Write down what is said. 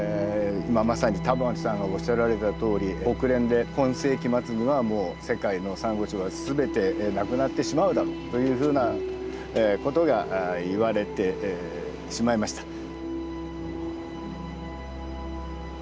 今まさにタモリさんがおっしゃられたとおり国連で今世紀末にはもう世界のサンゴ礁は全てなくなってしまうだろうというふうなことが言われてしまいました。